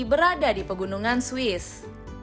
berada di pegunungan swiss